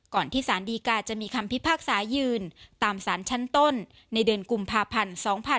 ที่สารดีกาจะมีคำพิพากษายืนตามสารชั้นต้นในเดือนกุมภาพันธ์๒๕๖๒